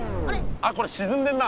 あっこれしずんでんな。